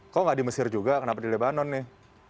kok nggak di mesir juga kenapa di lebanon nih